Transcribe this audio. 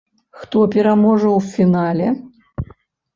Хто пераможа ў фінале?